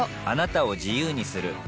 あなたを自由にする